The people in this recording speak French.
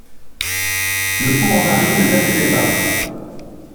Le hourvari ne s'apaisait pas.